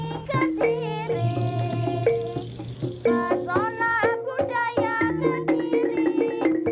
latar kanan dengan kemoyan harmoni ketiri